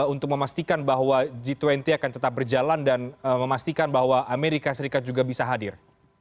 untuk memastikan bahwa g dua puluh akan tetap berjalan dan memastikan bahwa amerika serikat juga bisa hadir